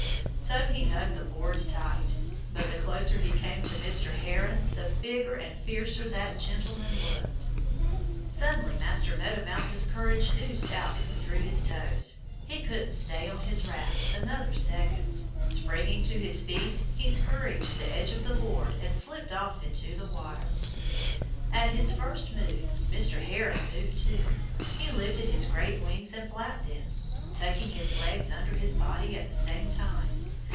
So he hugged the board tight. But the closer he came to Mr. Heron the bigger and fiercer that gentleman looked. Suddenly Master Meadow Mouse's courage oozed out through his toes. He couldn't stay on his raft another second. Springing to his feet, he scurried to the edge of the board and slipped off it into the water. At his first move Mr. Heron moved too. He lifted his great wings and flapped them, tucking his legs under his body at the same time.